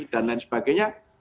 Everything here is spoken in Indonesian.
dan lain sebagainya